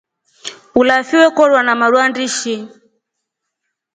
Ulavi wekorwa na maru andishi.